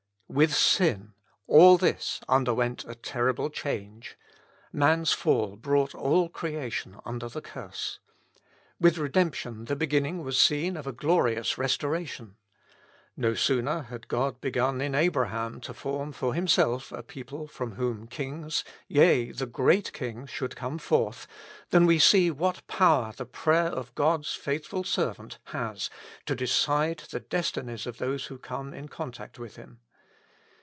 With sin all this underwent a terrible change: man's fall brought all creation under the curse. With redemption the beginning was seen of a glorious restoration. No sooner had God begun in Abraham to form for Himself a people from whom kings, yea, the Great King, should come forth, than we see what power the prayer of God's faithful servant has to de cide the destinies of those who come in contact with him.